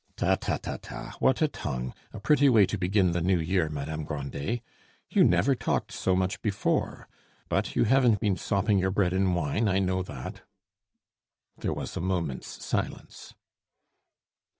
"Ta, ta, ta, ta, what a tongue! a pretty way to begin the new year, Madame Grandet! You never talked so much before; but you haven't been sopping your bread in wine, I know that." There was a moment's silence.